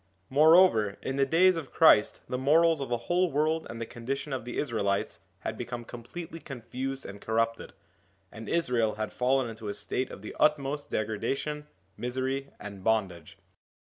More over, in the days of Christ the morals of the whole world and the condition of the Israelites had become completely confused and corrupted, and Israel had fallen into a state of the utmost degradation, misery, and bondage.